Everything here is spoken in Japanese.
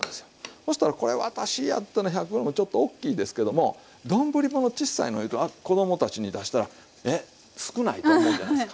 そしたらこれ私やったら１００ｇちょっとおっきいですけども丼物ちっさいの入れると子供たちに出したら「えっ少ない」と思うじゃないですか。